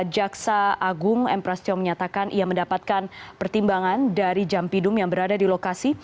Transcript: jaksa agung m prasetyo menyatakan ia mendapatkan pertimbangan dari jampidum yang berada di lokasi